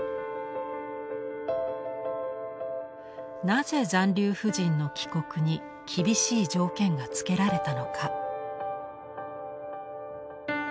なぜ残留婦人の帰国に厳しい条件がつけられたのか。